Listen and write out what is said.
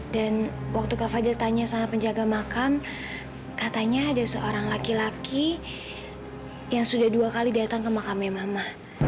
dan waktu kak fadil tanya sama penjaga makam katanya ada seorang laki laki yang sudah dua kali datang ke makamnya mama